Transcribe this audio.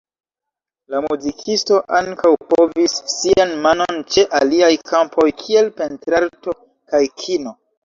La muzikisto ankaŭ provis sian manon ĉe aliaj kampoj kiel pentrarto kaj kino.